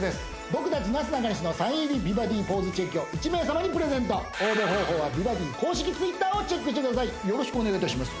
僕達なすなかにしのサイン入り美バディポーズチェキを１名様にプレゼント応募方法は美バディ公式Ｔｗｉｔｔｅｒをチェックしてくださいよろしくお願いいたします